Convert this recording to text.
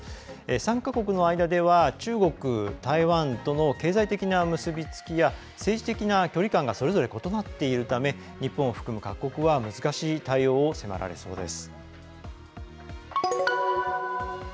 参加国の間では中国、台湾との経済的な結びつきや政治的な距離感がそれぞれ異なっているため日本を含む各国は難しい対応を迫られそうです。